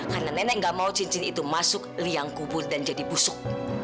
karena nenek gak mau cincin itu masuk liang kubur dan jadi busuk